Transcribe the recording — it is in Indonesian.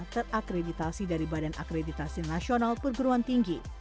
terakreditasi dari badan akreditasi nasional perguruan tinggi